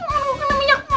aduh kena minyak panas